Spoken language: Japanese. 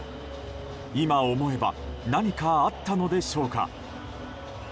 今思えば何かあったのでしょうか。